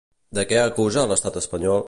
De què acusa l'estat espanyol?